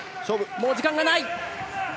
もう時間がない。